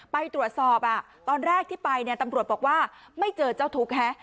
ไปตรวจสอบตอนแรกที่ไปเนี่ยตำรวจบอกว่าไม่เจอเจ้าทุกข์